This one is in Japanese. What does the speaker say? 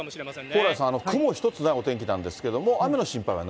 蓬莱さん、雲一つないお天気なんですけれども、雨の心配はな